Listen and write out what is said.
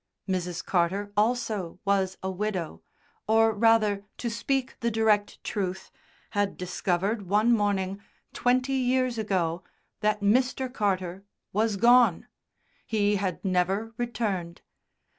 Mrs. Carter also was a widow, or rather, to speak the direct truth, had discovered one morning, twenty years ago, that Mr. Carter "was gone"; he had never returned.